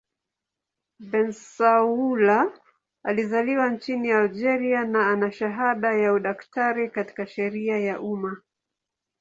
Bensaoula alizaliwa nchini Algeria na ana shahada ya udaktari katika sheria ya umma.